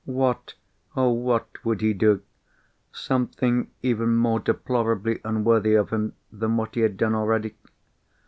What, oh what, would he do? Something even more deplorably unworthy of him than what he had done already?